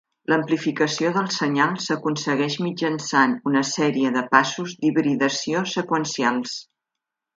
L'amplificació del senyal s'aconsegueix mitjançant una sèrie de passos d'hibridació seqüencials.